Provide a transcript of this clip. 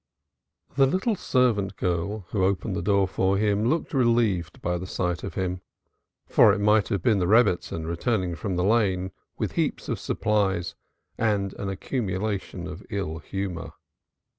The little servant girl who opened the door for him looked relieved by the sight of him, for it might have been the Rebbitzin returning from the Lane with heaps of supplies and an accumulation of ill humor.